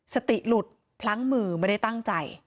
สติหลุดพลั้งมือไม่ได้ตั้งใจ